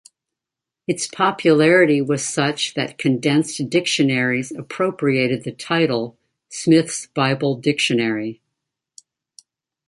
Its popularity was such that condensed dictionaries appropriated the title, "Smith's Bible Dictionary".